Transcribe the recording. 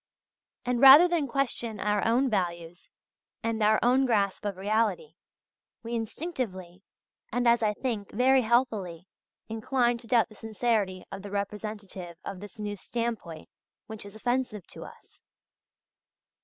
And, rather than question our own values and our own grasp of reality, we instinctively, and, as I think, very healthily, incline to doubt the sincerity of the representative of this new standpoint which is offensive to us.